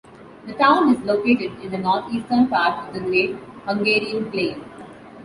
The town is located in the northeastern part of the Great Hungarian Plain.